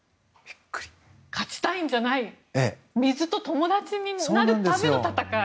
勝ちたいんじゃない水と友達になるための戦い。